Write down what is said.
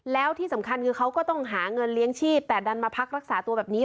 แล้วที่สำคัญคือเขาก็ต้องหาเงินเลี้ยงชีพแต่ดันมาพักรักษาตัวแบบนี้